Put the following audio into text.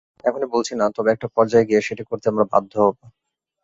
এখনই বলছি না, তবে একটা পর্যায়ে গিয়ে সেটি করতে আমরা বাধ্য হব।